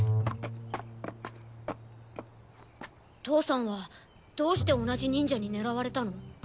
父さんはどうして同じ忍者に狙われたの？